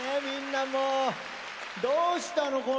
みんなもうどうしたの？